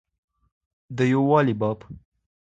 د يووالي باب.